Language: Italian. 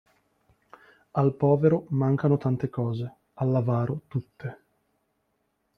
Al povero mancano tante cose, all'avaro tutte.